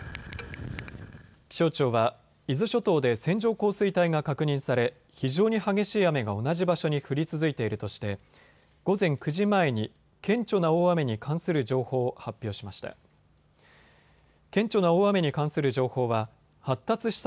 気象庁は伊豆諸島で線状降水帯が確認され、非常に激しい雨が同じ場所に降り続いているとして午前９時前に顕著な大雨に関する情報を発表しました。